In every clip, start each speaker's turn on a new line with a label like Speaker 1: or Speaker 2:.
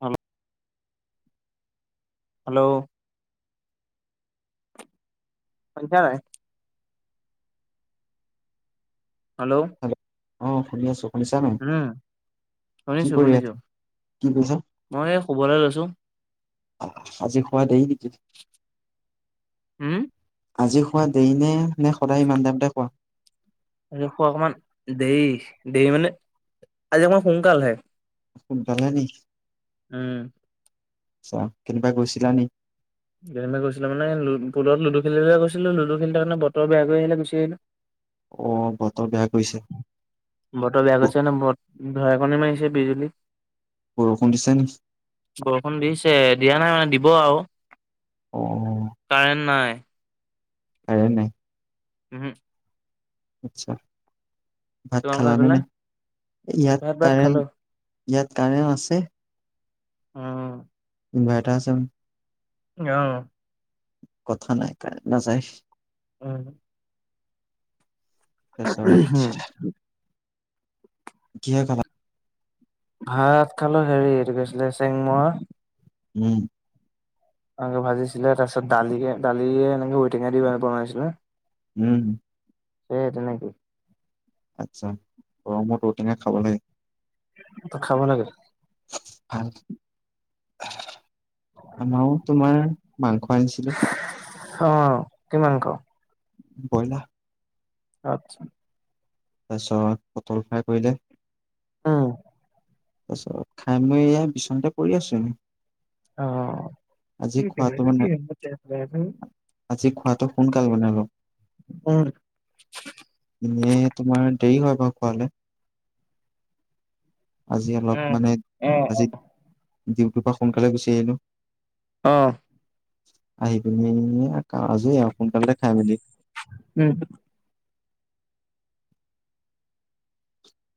Speaker 1: হ'ল। হেল্ল'? পাইচা নাই। হেল্ল'?
Speaker 2: অ, শুনি আছো, শুনিছা ন।
Speaker 1: উম শুনিছো, শুনিছো,
Speaker 2: কৈছা
Speaker 1: মই খবৰলৈ লৈছো।
Speaker 2: আজি খোৱ দে, ন
Speaker 1: হম।
Speaker 2: আজি খোৱা দেৰি নে, নে, সদায় ইমান তাইমতে খোৱা।
Speaker 1: আ, খোৱা অকমান দেৰি দেৰি মানে আজি অকমান সোনকালহে
Speaker 2: ফোন পালে ন।
Speaker 1: উম।
Speaker 2: চা কেনিবা গৈছিলানে।
Speaker 1: কেনো গৈছিলো মানেু পুলত লুডু খেলিলে গৈছিলো। লুডু খেল তাৰণে বতৰ বেয়াক কৰি আহিলে, গুচি আহিলো।
Speaker 2: অ, বত বেয়া কৰি
Speaker 1: বতৰ বেয়া হৈছে ন, বহুত ধেৰেকনি মাৰিছে বিজুলী।
Speaker 2: বৰষুণ দিছে নি
Speaker 1: বৰষুণ দিছে, দিয়া নাই, মানে দিব আৰু।
Speaker 2: অ
Speaker 1: কাৰেণ্ট নাই।
Speaker 2: কাৰেন্ট নাই।
Speaker 1: উম।
Speaker 2: আচছা ভাত
Speaker 1: তোমালোকৰ
Speaker 2: খালা নে
Speaker 1: সেইফালে
Speaker 2: নাই ইয়াত
Speaker 1: ভাত ভাত খালো
Speaker 2: কাৰেন্ট ইয়াত কাৰেন্ট আছে।
Speaker 1: অ'।
Speaker 2: ইনভাৰটাৰ আছে।
Speaker 1: অহ।
Speaker 2: কথা নাই, কাৰেন্ট নাযায়।
Speaker 1: উম।
Speaker 2: তাৰপিছত
Speaker 1: হম।
Speaker 2: কিয় কলা।
Speaker 1: ভাত খালো, হেৰি এইটো কৈছিলে চেংমৰা।
Speaker 2: উম।
Speaker 1: এনেকে ভাজিছিলে, তাৰ পিছত দালি দালিয়ে এনেকে ঔটেঙা দি বনাইছিলে।
Speaker 2: উম।
Speaker 1: সেই তেনেকে
Speaker 2: আচ্ছা গৰমত ঔ টেঙা খাব লাগে।
Speaker 1: খাব লাগে।
Speaker 2: আমাৰও তোমাৰ মাংস আনিছিলো।
Speaker 1: অ কিমান খাওঁ
Speaker 2: ব্ৰইলাৰ।
Speaker 1: আত্ছা।
Speaker 2: তাৰ পিছত পটল ফ্ৰাই কৰিলে।
Speaker 1: অ'।
Speaker 2: তাৰপিছত খাই মই এয়া বিচনাতে পৰি আছো।
Speaker 1: অ'।
Speaker 2: আজি খোৱাটো
Speaker 1: [unintelligible]
Speaker 2: মানে আজি খোৱাটো সোনকাল মানে
Speaker 1: উম।
Speaker 2: এনেই তোমাৰ দেৰি হয় বাৰু খোৱালে। আজি অলপ মানে
Speaker 1: অ অ
Speaker 2: আজি ডিউটিৰ পৰা সোনকালে গুচি আহিলোঁ।
Speaker 1: অহ'
Speaker 2: আহি পিনি আজৰি আৰু সোনকালতে খাই মেলি।
Speaker 1: উম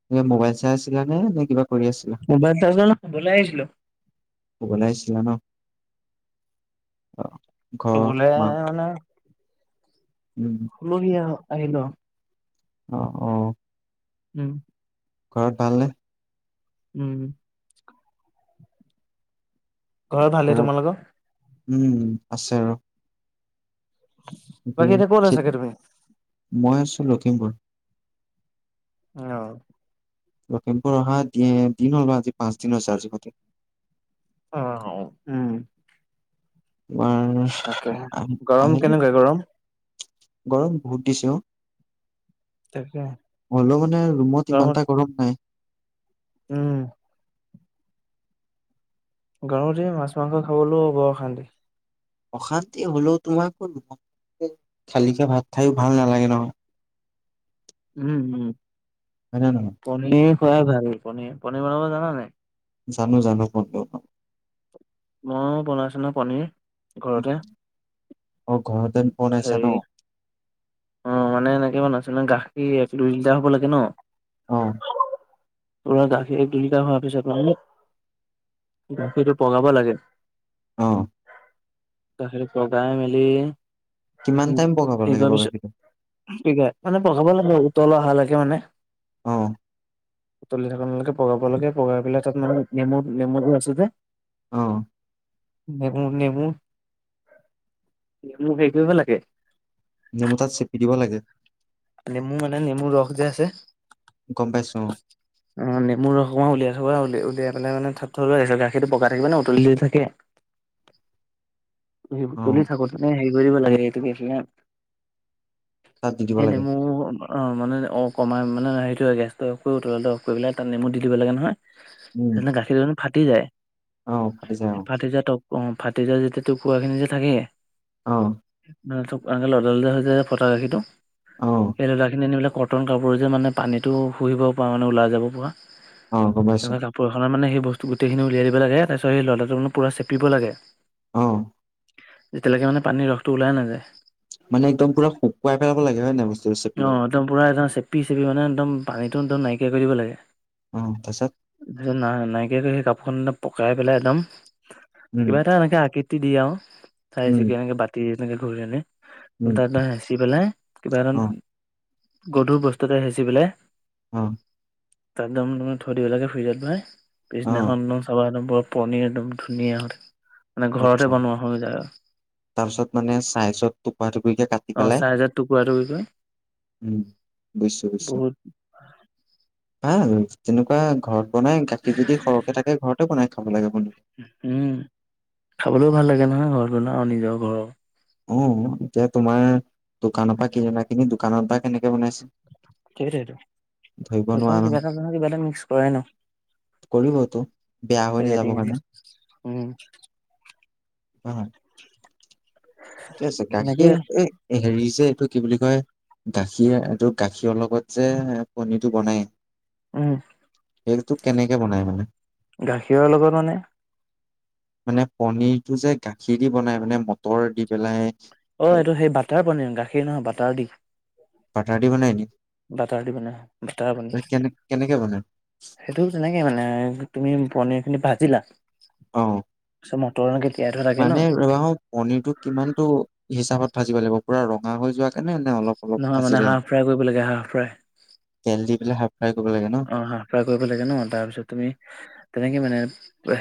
Speaker 2: তুমি মোবাইল চাই আছিলা নে নে কিবা। কৰি আছিলা
Speaker 1: মোবাইল চোৱাচোন ঘাটলে আহিছিলো।
Speaker 2: বনাইছিলা ন অ' ঘৰৰ
Speaker 1: থবলে
Speaker 2: মা
Speaker 1: আহে মানে।
Speaker 2: উম
Speaker 1: আলহী আহিল ৰ
Speaker 2: অ' অ'
Speaker 1: উম।
Speaker 2: ঘৰত ভালনে?
Speaker 1: উম। ঘৰত ভালেনে তোমালোকৰ?
Speaker 2: উম, আছে আৰু।
Speaker 1: বাকী এতিয়া ক'ত আছাগে তুমি
Speaker 2: মই আছো লক্ষীমপুৰত।
Speaker 1: অ'
Speaker 2: লক্ষীমপুৰ অহা দিন হ'ল বা আজি পাঁচ দিন হৈছে আজি সতি।
Speaker 1: অ উম।
Speaker 2: তোমাৰ
Speaker 1: তাকেহে
Speaker 2: আ'
Speaker 1: গৰম
Speaker 2: আহিলে।
Speaker 1: কেনেকুৱা গৰম
Speaker 2: গৰম বহুত দিছে অ'।
Speaker 1: তাকে
Speaker 2: হলো মানে ৰুমত
Speaker 1: গৰমত
Speaker 2: ইমানটা গৰম নাই।
Speaker 1: উম। গৰমতে মাছ, মাংস খাবলৈও বৰ অশান্তি।
Speaker 2: অশান্তি হ'লেও তোমাৰ খালিকে ভাত খায়ো ভাল নালাগে নহয়।
Speaker 1: উম, উম,
Speaker 2: হয় নে নহয়
Speaker 1: পনীৰ খুৱাই ভাল, পনীৰ পনিৰ বনাব জানা নে নাই?
Speaker 2: জানো, জানো পণীৰ বনাব।
Speaker 1: মই বনাইছো নহয় পনীৰ। ঘৰতে।
Speaker 2: অ' ঘৰতে বনাইছা
Speaker 1: হেৰি
Speaker 2: ন।
Speaker 1: অ' মানে এনেকে বনাইচো ন গাখীৰ এক, দুই লিটাৰ হ'ব লাগে ন।
Speaker 2: অ'।
Speaker 1: [unintelligible] গাখীৰ এক দুই লিটাৰ হোৱা পিছত গাখীৰটো পগাব লাগে।
Speaker 2: অ'।
Speaker 1: গাখীৰটো পগাই মেলি।
Speaker 2: কিমান টাইম পগাব
Speaker 1: হেৰি
Speaker 2: লাগে
Speaker 1: কৰাৰ
Speaker 2: বাৰু
Speaker 1: পিছত
Speaker 2: গাখীৰটো।
Speaker 1: কি গাই মানে পগাব লাগে উতল অহালৈকে মানে।
Speaker 2: অ'।
Speaker 1: উতলি থাকানৈকে পগাব লাগে পগাই পেলাই তাত মানে নেমু, নেমুটো আছে যে।
Speaker 2: অ'।
Speaker 1: নেমু, নেমু হেৰি কৰিব লাগে।
Speaker 2: নেমু তাত চেপি দিব লাগে।
Speaker 1: নেমু মানে নেমুৰ ৰস যে আছে।
Speaker 2: গম পাইছো
Speaker 1: অ' নেমু ৰস অকন উলিয়াই থবা উলি ওলিয়াই পেলাই মানে থ থবা আহি গাখীৰটো পকাই থাকিব মানে উতলি থাকে।
Speaker 2: অ অ
Speaker 1: উতলি থাকো তেনে হেৰি কৰি থাকিব লাগে এইটো
Speaker 2: তাত দি দিব লাগে
Speaker 1: [unintelligible] [unintelligible] মানে অকমন [unintelligible] উতলাটো অফ কৰি তাত নমু দি দিব লাগে
Speaker 2: উম
Speaker 1: নহয় গাখীৰ ফাটি যায়।
Speaker 2: অ ফাটি যায় অ'।
Speaker 1: ফাটি যোৱা টক অ', ফাটি যায় যেতিয়া [unintelligible] খিনি যে থাকে।
Speaker 2: অ
Speaker 1: [unintelligible] ফটা গাখীটো,
Speaker 2: অ
Speaker 1: সেই লডাখিনি আনিপেলাই কটন কাপোৰ যে মানে পানীটো শুহিব পৰা মানে ওলাই যাব পৰা।
Speaker 2: অ গম পাইছো
Speaker 1: এনেকুৱা কাপোৰ এখনৰ মানে সেই বস্তু গোটেইখিনি উয়াই দিব লাগে। তাৰপিছত সেই লডাটো মানে পোৰা চেপিব লাগে।
Speaker 2: অ'।
Speaker 1: যেতিয়ালৈকে মানে পানীৰ ৰসটো ওলাই নাযায়।
Speaker 2: মানে একদম পুৰা শুকুৱাই পেলাব লাগে হয় নাই বস্তুটো চেপি
Speaker 1: অ
Speaker 2: পেলাই
Speaker 1: একদম পুৰা একদম চেপি-চেপি মানে একদম পানীতো একদম নাইকিয়া কৰি দিব লাগে।
Speaker 2: অ তাৰপিছত
Speaker 1: না- নাইকিয়া কৰি সেই কাপোৰখন পকাই পেলাই একদম,
Speaker 2: উম
Speaker 1: কিবা এটা এনেকে আকৃতি দিয আৰু
Speaker 2: উম,
Speaker 1: চাৰিচুকিয়া এনেকে বাতি
Speaker 2: উম,
Speaker 1: [unintelligible] হেচি পেলাই কিবা এদান
Speaker 2: অ',
Speaker 1: গধুৰ বস্তু এটাই হেচি পেলাই
Speaker 2: অ'।
Speaker 1: তাক একদম তুমি থৈ দিব লাগে ফ্ৰিজত ভৰাই,
Speaker 2: অ',
Speaker 1: পিছদিনাখন একদম চাবা পনীৰ একদম ধুনীয়া হয় থাকে, মানে
Speaker 2: আচ্ছা
Speaker 1: ঘৰতে বনোৱা হৈ যায় আৰু।
Speaker 2: তাৰপিছত মানে ছাইজত টোপা টুপিকে কাটি
Speaker 1: অ
Speaker 2: পেলাই
Speaker 1: চাইজত টুকুৰা টুকুৰি কৰি
Speaker 2: বুইছো, বুইছো।
Speaker 1: বহুত
Speaker 2: ভাল তেনেকুৱা ঘৰত বনাই গাখীৰ যদি সৰহকে থাকে ঘৰতে বনাই খাব লাগে। বন্ধু
Speaker 1: উম! খাবলৈও ভাল লাগে নহয় ঘৰত বনোৱা আৰু নিজৰ ঘৰৰ
Speaker 2: অ এতিয়া তোমাৰ দোকানৰ পৰা কিনি অনা খিনি দোকানত বা কেনেকে বনাইছে?
Speaker 1: সেইটোৱেই টো, [unintelligible]
Speaker 2: ধৰিব নোৱাৰা
Speaker 1: কিবা এটা নহয় কিবা এটা মিক্স কৰেই ন?
Speaker 2: কৰিবতো৷ বেয়া হৈ নেযাব
Speaker 1: পেকেটিং উম
Speaker 2: কাৰণে৷ [unintelligible] ঠিকে আছে,
Speaker 1: তেনেকেই
Speaker 2: গাখীৰ এই হেৰি যে এইটো কি বুলি কয়? গাখীৰ এইটো গাখীৰ লগত যে পনীটো বনাই
Speaker 1: উম।
Speaker 2: এইটোক কেনেকে বনাই মানে?
Speaker 1: গাখীৰৰ লগত মানে?
Speaker 2: মানে পনীৰটো যে গাখীৰ দি বনাই, মানে মটৰ দি পেলাই
Speaker 1: অ এইটো সেই বাটাৰ পনীৰ, গাখীৰ নহয় বাটাৰ দি।
Speaker 2: বাটাৰ দি বনাই নি?
Speaker 1: বাটাৰ দি বনায়৷ বাটাৰ পনীৰ,
Speaker 2: কেনে কেনেকে বনাই?
Speaker 1: সেইটো তেনেকে মানে তুমি পনীৰ খিনি ভাজিলা,
Speaker 2: অ',
Speaker 1: তাৰপাছত মটৰখিনি
Speaker 2: মানে ৰবা পনীৰটো কিমানটো হিচাপত ভাজিব লাগিব? পুৰা ৰঙা হৈ যোৱা কে নে? নে অলপ অলপ
Speaker 1: নহয় মানে
Speaker 2: ভাজিলে হ'ল?
Speaker 1: হাফ ফ্ৰাই কৰিব লাগে, হাফ ফ্ৰাই
Speaker 2: তেল দি পেলাই হাফ ফ্ৰাই কৰিব লাগে ন?
Speaker 1: অ হাফ ফ্ৰাই কৰিব লাগে ন। তাৰপিছত তুমি, তেনেকে মানে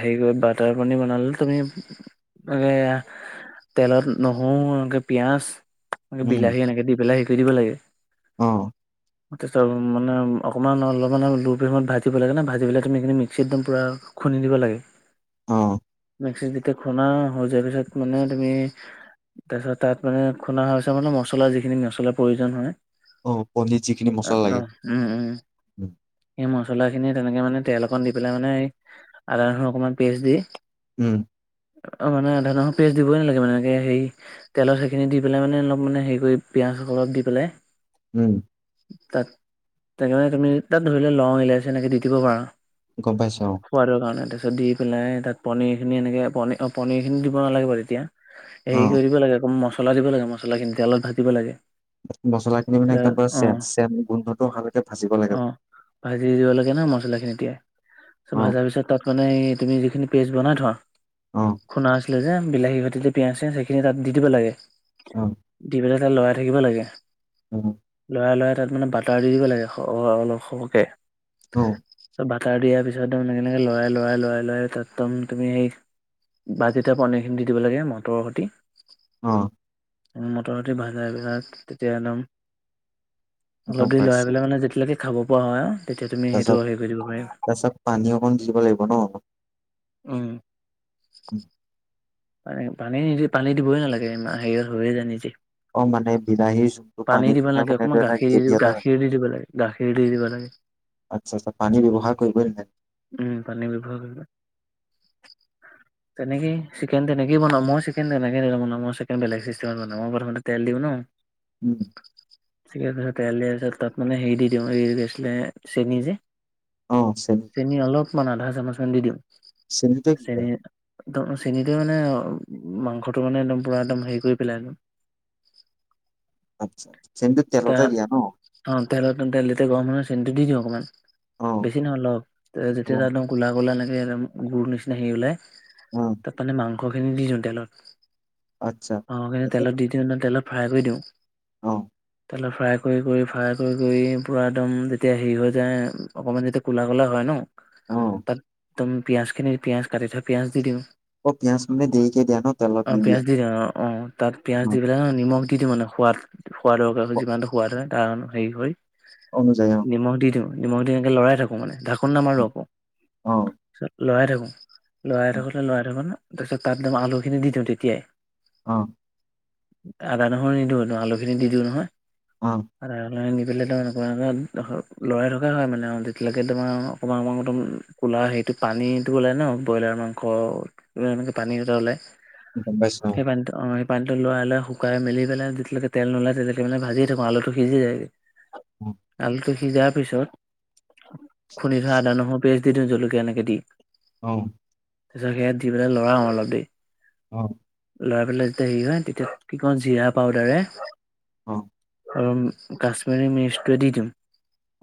Speaker 1: হেৰি কৰি বাটাৰ পানীৰ বনালে তুমি এয়া তেলত নহৰু এনেকে পিয়াঁজ
Speaker 2: উম,
Speaker 1: বিলাহী এনেকে দি পেলাই হেৰি কৰি দিব লাগে৷
Speaker 2: অ',
Speaker 1: [unintelligible] মানে অকমান অলপ অলপ ল' ফ্লেমত ভাজিব লাগে না ভাজি পেলাই তুমি এইখিনি মিক্সিত একদম পুৰা খুন্দি দিব লাগে৷
Speaker 2: অ',
Speaker 1: মিক্সিত যেতিয়া খুনা হৈ যোৱাৰ পিছত মানে তুমি তাৰপিছত তাত মানে খুন্দা হোৱা পিছত মানে মছলা যিখিনি মছলাৰ প্ৰয়োজন হয়।
Speaker 2: অ', পনীৰত যিখিনি
Speaker 1: অ
Speaker 2: মছলা
Speaker 1: অ
Speaker 2: লাগে।
Speaker 1: উম উম। সেই মছলা খিনি তেনেকে মানে তেল অকণ দি পেলাই মানে আদা, নহৰু অকণমান পেষ্ট দি
Speaker 2: উম।
Speaker 1: অ, মানে আদা নহৰু পেষ্ট দিবই নালাগে মানেকে হেৰি তেলৰ সেইখিনি দি পেলাই মানে অলপ মানে হেৰি কৰি পিয়াঁজ [unintelligible] দি পেলাই
Speaker 2: উম।
Speaker 1: তাত [unintelligible] মানে তুমি তাত ধৰি লোৱা লং, ইলাচী এনেকৈ দি দিব পাৰা৷
Speaker 2: গম পাইছোঁ৷
Speaker 1: সোৱাদৰ কাৰণে দি পেলাই তাত পনীৰখিনি এনেকৈ প, অ, পনীৰখিনি দিব নালাগে বাৰু তেতিয়া হেৰি
Speaker 2: অ',
Speaker 1: কৰিব লাগে, আক' মছলা দিব লাগে, মছলাখিনি তেলত ভাজিব লাগে৷
Speaker 2: মছলা খিনি মানে একদম পুৰা
Speaker 1: অ
Speaker 2: চেন, চে, গোন্ধটো অহালৈকে ভাজিব লাগে৷
Speaker 1: অ', ভাজি দিব লাগে ন, মছলা খিনি এতিয়াই
Speaker 2: অ',
Speaker 1: ভাজা পিছত তাত মানে তুমি যিখিনি পেষ্ট বনাই
Speaker 2: অ',
Speaker 1: থোৱা৷খুন্দা আছিলে যে বিলাহীৰ সৈতে যে পিয়াঁজ-চিয়াঁজ সেইখিনি তাত দি দিব লাগে৷
Speaker 2: অ',
Speaker 1: দি পেলাই তাত লৰাই থাকিব লাগে৷
Speaker 2: অ',
Speaker 1: লৰাই, লৰাই তাত মানে বাটাৰ দি দিব লাগে অ', অ', অলপ সৰহকে
Speaker 2: অ'।
Speaker 1: তাৰপিছত বাটাৰ দিয়াৰ পিছত তুমি তেনেকে লৰাই, লৰাই, লৰাই, লৰাই তাতদম তুমি ভাজিতে পানীৰখিনি দি দিব লাগে, মটৰৰ সৈতে।
Speaker 2: অ',
Speaker 1: মটৰতে ভাজাই পেলাই তেতিয়া একদম,
Speaker 2: গম
Speaker 1: অলপ দেৰি লৰাই
Speaker 2: পাইছো।
Speaker 1: পেলাই মানে যেতিয়ালৈকে খাব পৰা হয়৷ তেতিয়া তুমি সেইটো
Speaker 2: তাৰপিছত,
Speaker 1: হেৰি কৰি দিব পাৰিবা।
Speaker 2: তাৰছত, পানী অকণ দি দিব লাগিব ন?
Speaker 1: উম,
Speaker 2: উম।
Speaker 1: পানী, পানী, নিদি, পানী দিবই নালাগে, হেৰিয়ত হৈয়ে যায় নিজে।
Speaker 2: অ মানে বিলাহীৰ যোনটো
Speaker 1: পানী দিব
Speaker 2: খাই
Speaker 1: লাগে,
Speaker 2: মানে এইটো
Speaker 1: অকমান
Speaker 2: এটা
Speaker 1: গাখীৰ দি,
Speaker 2: গ্ৰেভি এটা হয়
Speaker 1: গাখীৰ দি দিব লাগে, গাখীৰ দি দিব লাগে৷
Speaker 2: আচ্ছা আচ্ছা পানী ব্যৱহাৰ কৰিবই নালাগে
Speaker 1: উম, পানী বিভাগ তেনেকে। চিকেন তেনেকেই বনা মই চিকেন তেনেকৈ ন, বনা মই চিকেন বেলেগিষ্টেম বনাওঁ মই প্ৰথম তে দিওঁ ন।
Speaker 2: উম।
Speaker 1: চিকাৰ পিছত, তেল দিয়াৰ পিছত তাত মানে হেৰি দি দিওঁ এই গছিলে চেনি যে চেনি অলপমান আধা চামুচ মান দি দিওঁ।
Speaker 2: চণীতে কি কৰে
Speaker 1: একম চেনিটোৱে মানে মাংসটো মানে একদম পুৰা একদম হেৰি কৰি পেলাই একদম
Speaker 2: আচ্ছাা চেমটো
Speaker 1: এতিয়া
Speaker 2: তেলতে দিয়া ন।
Speaker 1: অ, তেল, তেল দিতে গম হ, নহ, চেনটো দি দিওঁ অকমান।
Speaker 2: অ
Speaker 1: বেছি নহয়, অল যেতিয়া
Speaker 2: অ
Speaker 1: একদম গোলাোলা লাগে, একম গুৰ নিচিনা হেৰি ওলাই
Speaker 2: অ
Speaker 1: তাত মানে মাংসখিনি দি দিওঁ, তেলত
Speaker 2: আচ্ছা
Speaker 1: মাংসখিনি
Speaker 2: তাৰপিছত
Speaker 1: তেলত দি দিওঁ তেলত ফ্ৰাই কৰি দিওঁ।
Speaker 2: অ'।
Speaker 1: তে ফ্ৰাই কৰি, কৰি, ফ্ৰাই কৰি, কৰি পূৰা একদম যেতিয়া হেৰি হৈ যায় অকণমান যেতিয়া ক'লা, ক'লা হয় ন।
Speaker 2: অ
Speaker 1: তাতদমি পিয়য়াজ খিনি পিয়াজ কাটি থোৱা পিয়য়াজ দি দিওঁ।
Speaker 2: অ পিয়াজ মানে দেৰিকে দিয়া ন তেলত
Speaker 1: অ, পিজ
Speaker 2: নিদিয়া
Speaker 1: দি অ', অ', তাত পিয়াজ
Speaker 2: অ
Speaker 1: দি পেলাই নিমখ দি মানে সোৱাদ, সোৱাদৰ কাৰ
Speaker 2: অ
Speaker 1: যিমানটো সোৱাদ হয় তাৰে হেৰি হয়।
Speaker 2: অনুযায়ী
Speaker 1: নিমখ দি দিওঁ, নিমখ দি এনেকে লৰাই থাকো মানে ঢাক [unintelligible]
Speaker 2: অ
Speaker 1: নামাৰোকৌ
Speaker 2: অ
Speaker 1: লৰাই থাকো, লৰাই থাকো লৰা তাৰপিছত তাতম আলু খিনি দি দিওঁ তেতিয়াই
Speaker 2: অ'।
Speaker 1: আদা নহৰু নিদিওঁও, আলু খিনি দি দিওঁ নহয়।
Speaker 2: অ'।
Speaker 1: তাৰ লৰাই থকা হয় মানে আৰু তেতিয়কে তাৰ অকমান সেইটো পানীটো ওললে ন, ব্ৰইলাৰ মাংস পানী দুটা ওলাই
Speaker 2: বাইছ নওঁ।
Speaker 1: সেই পানীটো অ সেই পানীটো লই, লৈ শুকাই মেলিহিলাইতিয়ৈকে তেল, নললে তেতিয়ৈকে মান ভিয় থোঁ আলুটো সিজি যায়।
Speaker 2: অ
Speaker 1: আল টো সিজাৰ পিছত খুন্দি থোৱা আদা, নহৰু পেষ্ট দি দিওঁ জলকীয়া এনেকে দি।
Speaker 2: অ'।
Speaker 1: তাৰিছত সেয় দি পেলাই লৰা অ, অলপ দে
Speaker 2: অ'।
Speaker 1: লৰাই পেলাই যেতিয়া হেৰি হয়, তেতিয়া কি কম জিৰা পাউদাৰে।
Speaker 2: অ'।
Speaker 1: অ, কাশ্মীৰী মিচটোৱে দি দিম,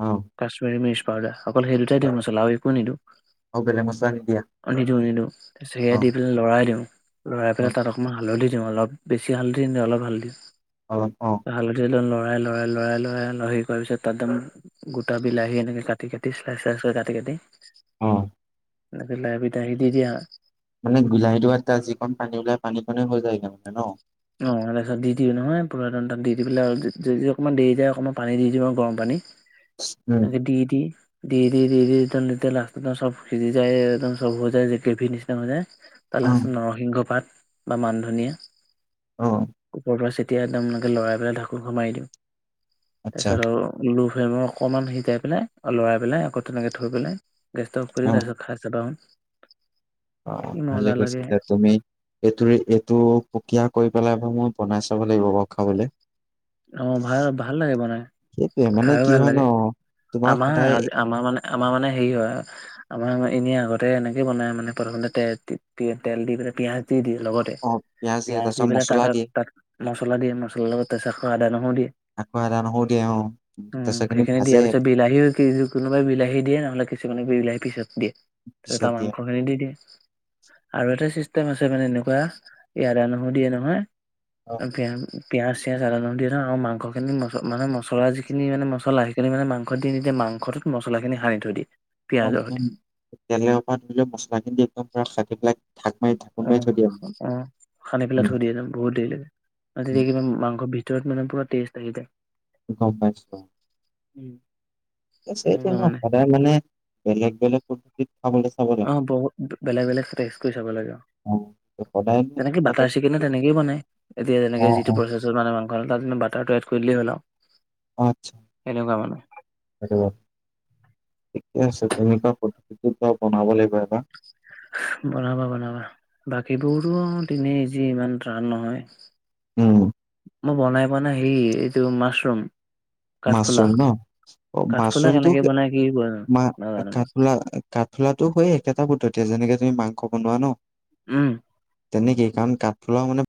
Speaker 2: অ
Speaker 1: কাশ্মীৰী মিৰ্চ পাউদাৰ। অকল সেই দুটাই
Speaker 2: অ
Speaker 1: দিওঁ মচলা আৰু একো নিদিও,
Speaker 2: আৰু বেলেগ মছলা নিদিয়া
Speaker 1: নিদিওঁ, নিদিওঁ। তাৰিছ স,
Speaker 2: অ
Speaker 1: দি, প, লৰাই দিওঁ, লৰাই
Speaker 2: অ অ
Speaker 1: পেলাই তাত অকণমান হালধি দি দি অলপ বেছি হালধি নি অলপ হালধি,
Speaker 2: অ
Speaker 1: হালধি ল, ল'ৰা লৰাই, লৰাই, লৰাই, লৰাই, লৰাৰি কৰাৰ পিছত তাতদম গোটা বিলাহী এনেকে কাটি, কাটি, চাইচ, চাইচ কৰি কাটি, কাটি
Speaker 2: অ
Speaker 1: এনেকৈ লাহ পিধ আহি দি দিয়া।
Speaker 2: মানে বিলাহীটো বাদ তাৰ যিকণ পানী ওলাই পানীকণে হৈ যায়গে মানে ন?
Speaker 1: অ, তাৰপিছত দিওঁ নহয়, পৰান তাত দি, দি পেলাই আৰু যদি অকমান দেৰি যায় অকমান পানী দি দিওঁ আৰু গৰম পানী
Speaker 2: উম,
Speaker 1: তাকে দি, দি দি, দি, দি, দি, একদময়া লাষ্ট চব সিজি যায় একদম চব হৈ যায় যে নিচিনা হৈ যায়। তাল
Speaker 2: অ',
Speaker 1: নৰসিংহ পাত বা মান ধনিয়
Speaker 2: অ',
Speaker 1: ওপৰৰ চি এতিয়া একদমকে লৰাই পেলাই ঢাকোন সোমাই দিওঁ
Speaker 2: আচ্ছা
Speaker 1: তাৰপিছত আৰু লোভ ভৈমৰ অকণমান সিজাই পেলাই, লৰাই পেলাই আকৌ তেনেকে থৈ পেলাই গেছ অফ কৰিও
Speaker 2: অ',
Speaker 1: তাৰিছ খাই চাবা।
Speaker 2: অ, ভালে কৈছে, যে তুমি এইটোৰে এইটো সুকীয়া কৰি পেলাই। মই বনাই চাব লাগিব বাৰু খাবলৈ।
Speaker 1: অ, ভাল, ভাল লাগে। বনাই
Speaker 2: সেইটোয়ে মানে
Speaker 1: খাইয়
Speaker 2: কি
Speaker 1: ভাল
Speaker 2: হয় ন
Speaker 1: লাগে।
Speaker 2: তোমাৰ
Speaker 1: আমাৰ
Speaker 2: সদায়
Speaker 1: আজি আমাৰ মানে আমাৰ মানে হেৰি হয় আমাৰান এনে আতে এনেকে বনাই মানে প্ৰথমতে তেল দি, পেলাই পিয়াজ দি দিয়ে লগতে,
Speaker 2: অ', দিয়ে
Speaker 1: পিয়াজ
Speaker 2: তাৰ
Speaker 1: দি
Speaker 2: পিছত
Speaker 1: পেলাই তাত,
Speaker 2: মছলা দিয়ে
Speaker 1: তাত মছলা দিয়ে মছলাৰ লগত তাৰ মা, নহ' দিয়
Speaker 2: আকৌ আদা নহৰু দিয়ে অ',
Speaker 1: উম,
Speaker 2: তাৰপিছত এইখিনি
Speaker 1: সেইখিনি
Speaker 2: ভাজে
Speaker 1: দিয়াৰ পিছত বিলাহীও কোনোবাই বিলাহী দিয়ে নহলে কিছুমান বিলাহী পিচত দিয়ে আৰু তাত
Speaker 2: পিছত দিয়ে
Speaker 1: মাংস খিনি দি দিয়ে, আৰু। ম, আছে মানে এনেকুৱা ইয়, ৰা, নহো দিয়ে নহয়,
Speaker 2: অ',
Speaker 1: পি, পিয়াজ, চিয়াজ জালাুৰ দি থা আৰু মাংসখিনি ম, মানে মছলা যিখিনি মানে মছলা সেইখিনি মানে মাস দি নিদিয়া মাংসত। মছলাখিনি সানি থ, দিয়ে [unintelligible]
Speaker 2: অ,
Speaker 1: সৈতে
Speaker 2: মানে তেলেৰপ ধৰি লও মছলা খিনি একদম খাটি পেলাই ঢাক মাৰি ঢাকোন
Speaker 1: অ',
Speaker 2: মাৰি থৈ দিয়ে।
Speaker 1: অ', খানি পেলাই
Speaker 2: উম,
Speaker 1: থৈ দিয়ে যাম বহুত দেৰি লাগে। তেতিয়া কিবা মাংস ভ ত, মান পৰা টেষ্ট আহি
Speaker 2: গম পাইছো।
Speaker 1: উম।
Speaker 2: ছেটো নহ সদায় মানে। বেলেগ বেলেগ পদ্ধতিত খাবলৈ চাব
Speaker 1: অ,
Speaker 2: লাগে
Speaker 1: বহুত বেলেগ, বেলেগ ফেজ কৰি চাব লাগে।
Speaker 2: অ', সদায় নে
Speaker 1: তেনেকে
Speaker 2: একেটা
Speaker 1: বাটাৰ চিকেন তেনেকেই বনাই এতিয়া
Speaker 2: অ
Speaker 1: তেনেকে যিটো
Speaker 2: অ
Speaker 1: প্ৰচেছত মানে মাংস বাটাৰটো এড কৰি দিলে হ'ল আৰু।
Speaker 2: আছা
Speaker 1: এনেকুৱা মানে।
Speaker 2: কে, আছে। তেনেকুৱা প্ৰতিতি বনাব লাগিব এবটা
Speaker 1: বনাবা, বনাবা, বাকীবোৰো দিনে যি ইমান টান নহয়
Speaker 2: উম।
Speaker 1: মই বনাই পোৱা নাই, হেৰি এইটো মাছৰুম কাঠফুলা
Speaker 2: মাছৰুম ন,
Speaker 1: কাঠফুলা
Speaker 2: মাছৰুমটো
Speaker 1: কেনেকে বনাই কি
Speaker 2: মা
Speaker 1: নাজানো
Speaker 2: কাঠুলা কাঠলাটো হয়ে, একেটা পদ্ধতি যেনেকে তুমি মাংস বনোৱা, ন।
Speaker 1: উম।
Speaker 2: তেনেকেই কাৰণ কাঠফুলাও মানে